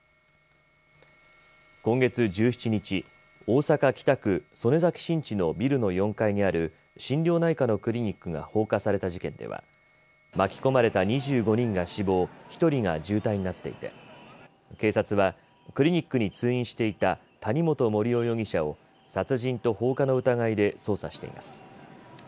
今月１７日大阪、北区曽根崎新地のビルの４階にある心療内科のクリニックが放火された事件では巻き込まれた２５人が死亡１人が重体になっていて警察はクリニックに通院していた谷本盛雄容疑者を殺人と放火の疑いで捜査しています。